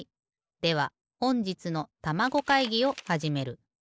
ではほんじつのたまご会議をはじめる。